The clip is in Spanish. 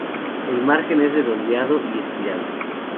El margen es redondeado y estriado.